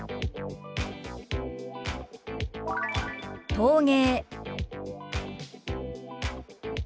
「陶芸」。